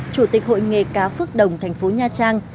chủ tịch hội nghề cá phước đồng thành phố nha trang